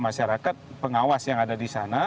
masyarakat pengawas yang ada di sana